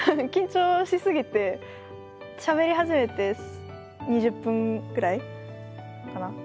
緊張しすぎてしゃべり始めて２０分くらいかな